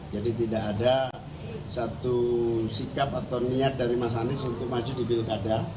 jadi tidak ada satu sikap atau niat dari mas anies untuk maju di bilkada